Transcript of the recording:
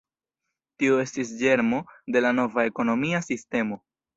Tio estis ĝermo de la nova ekonomia sistemo.